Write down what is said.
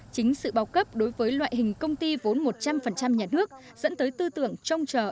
chính sự bao cấp đối với loại hình công ty vốn một trăm linh nhà nước dẫn tới tư tưởng trông chờ